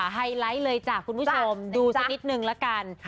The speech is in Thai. ไฮไลท์เลยจ้ะคุณผู้ชมดูสักนิดนึงละกัน